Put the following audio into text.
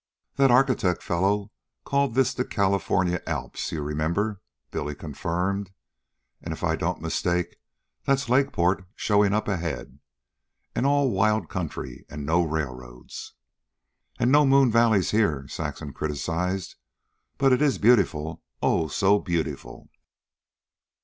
"That architect fellow called this the California Alps, you remember," Billy confirmed. "An' if I don't mistake, that's Lakeport showin' up ahead. An' all wild country, an' no railroads." "And no moon valleys here," Saxon criticized. "But it is beautiful, oh, so beautiful."